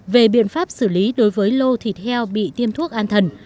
về biện pháp xử lý đối với lô thịt heo bị tiêm thuốc an thần